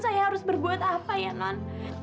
saya harus berbuat apa ya non